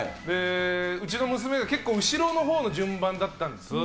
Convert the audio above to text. うちの娘が結構後ろのほうの順番だったんです。